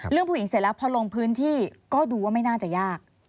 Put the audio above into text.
ผู้หญิงเสร็จแล้วพอลงพื้นที่ก็ดูว่าไม่น่าจะยาก